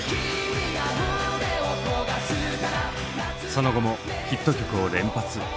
その後もヒット曲を連発。